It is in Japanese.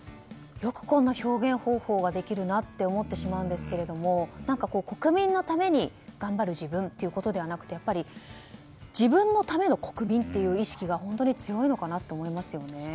よくこんな表現方法ができるなと思ってしまうんですが国民のために頑張る自分ということではなくて自分のための国民という意識が本当に強いのかなと思いますよね。